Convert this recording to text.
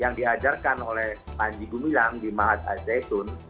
yang diajarkan oleh panji gumilang di mahat ajaizun